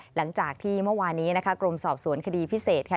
หลังจากที่เมื่อวานี้นะคะกรมสอบสวนคดีพิเศษค่ะ